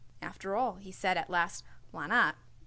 "After all," he said at last, "why not?